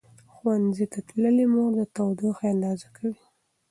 ښوونځې تللې مور د تودوخې اندازه کوي.